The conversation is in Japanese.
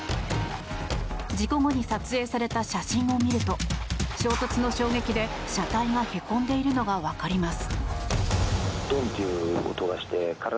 事故後に撮影された写真を見ると衝突の衝撃で車体がへこんでいるのが分かります。